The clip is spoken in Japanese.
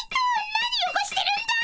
何よごしてるんだ！